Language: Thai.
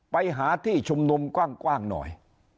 ไปหาที่ชุมนุมกว้างหน่อย